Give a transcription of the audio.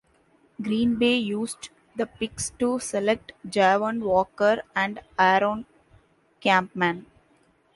Green Bay used the picks to select Javon Walker and Aaron Kampman.